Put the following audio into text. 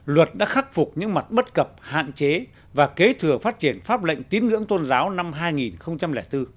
luật đã khắc phục những mặt bất cập hạn chế và kế thừa phát triển pháp lệnh tín ngưỡng tôn giáo năm hai nghìn bốn